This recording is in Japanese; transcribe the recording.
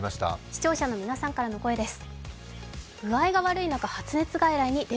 視聴者の皆さんからの声です。